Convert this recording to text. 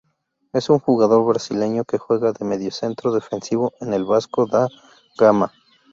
Es un jugador brasileño que juega de mediocentro defensivo en el Vasco da Gama.